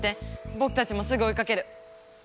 ぼくたちもすぐおいかける！